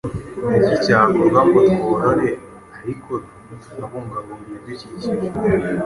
Ni iki cyakorwa ngo tworore ariko tunabungabunga ibidukikije?